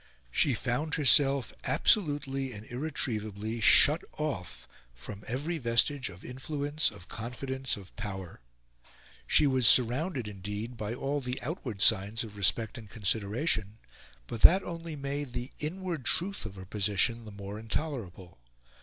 She found herself, absolutely and irretrievably, shut off from every vestige of influence, of confidence, of power. She was surrounded, indeed, by all the outward signs of respect and consideration; but that only made the inward truth of her position the more intolerable.